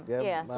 ya sulit kan